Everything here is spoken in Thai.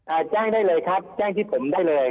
อ่าแจ้งได้เลยครับแจ้งที่ผมได้เลยฮะ๐๘๑๖๔๗๔๔๓๓